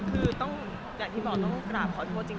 คือต้องอย่างที่บอกต้องกราบขอโทษจริง